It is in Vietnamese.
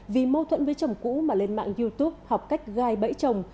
vì mâu thuẫn với chồng cũ mà lên mạng youtube học cách gai bẫy chồng